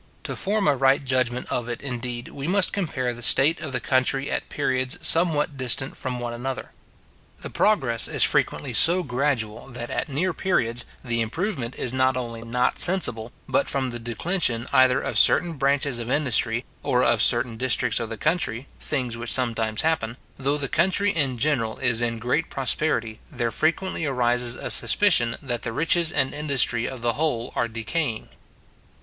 To form a right judgment of it, indeed, we must compare the state of the country at periods somewhat distant from one another. The progress is frequently so gradual, that, at near periods, the improvement is not only not sensible, but, from the declension either of certain branches of industry, or of certain districts of the country, things which sometimes happen, though the country in general is in great prosperity, there frequently arises a suspicion, that the riches and industry of the whole are decaying.